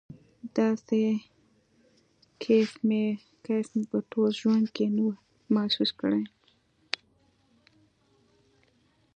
داسې کيف مې په ټول ژوند کښې نه و محسوس کړى.